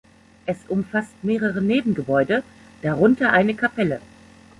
Es umfasst mehrere Nebengebäude, darunter eine Kapelle.